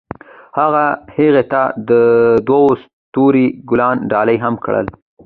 هغه هغې ته د تاوده ستوري ګلان ډالۍ هم کړل.